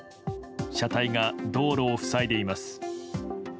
車体が道路を塞いでいます。